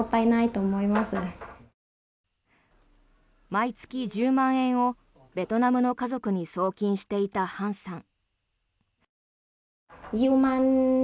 毎月１０万円をベトナムの家族に送金していたハンさん。